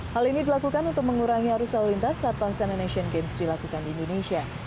hal ini dilakukan untuk mengurangi arus lalu lintas saat konsena asian games dilakukan di indonesia